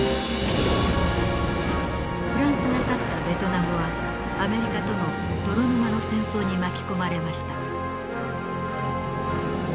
フランスが去ったベトナムはアメリカとの泥沼の戦争に巻き込まれました。